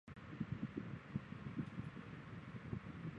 从五位下长岑茂智麻吕的义弟。